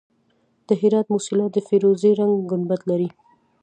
د هرات موسیلا د فیروزي رنګ ګنبد لري